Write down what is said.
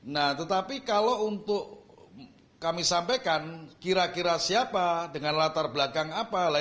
nah tetapi kalau untuk kami sampaikan kira kira siapa dengan latar belakang apa